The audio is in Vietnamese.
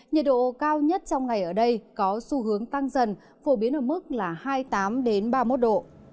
nhiệt độ cao nhất trong ngày ở đây có xu hướng tăng dần phổ biến ở mức là hai mươi tám ba mươi một độ